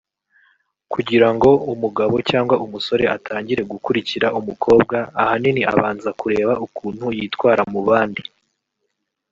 Kugirango umugabo cyangwa umusore atangire gukurikira umukobwa ahanini abanza kureba ukuntu yitwara mu bandi